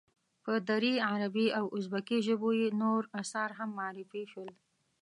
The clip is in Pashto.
په دري، عربي او ازبکي ژبو یې نور آثار هم معرفی شول.